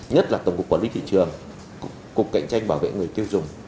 nhất là tổng cục quản lý thị trường cục cạnh tranh bảo vệ người tiêu dùng